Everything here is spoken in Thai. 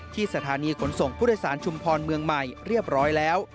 สถานีขนส่งผู้โดยสารชุมพรเมืองใหม่เรียบร้อยแล้ว